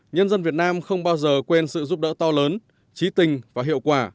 nhân dân việt nam không bao giờ quên sự giúp đỡ to lớn trí tình và hiệu quả